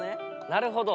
なるほど！